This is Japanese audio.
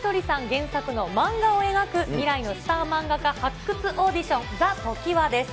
原作の漫画を描く未来のスター漫画家発掘オーディション、ＴＨＥＴＯＫＩＷＡです。